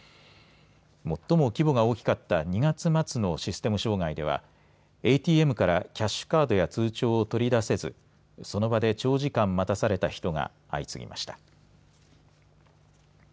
最も規模が大きかった２月末のシステム障害ではＡＴＭからキャッシュカードや通帳を取り出せず、その場で長時間待たされた人が相次ぎました。